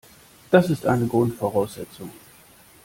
Das ist eine Grundvoraussetzung.